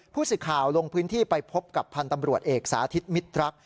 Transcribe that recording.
ผู้สื่อข่าวลงพื้นที่ไปพบกับพันธ์ตำรวจเอกสาธิตมิตรรัก